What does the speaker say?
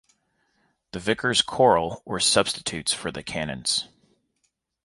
The vicars choral were substitutes for the canons.